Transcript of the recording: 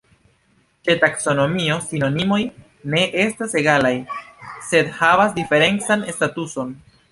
Ĉe taksonomio sinonimoj ne estas egalaj, sed havas diferencan statuson.